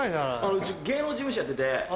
うち芸能事務所やってて。